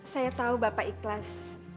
saya tahu bapak ikhlas